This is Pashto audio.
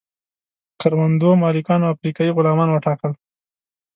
کروندو مالکانو افریقایي غلامان وټاکل.